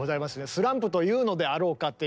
スランプというのであろうかっていうね。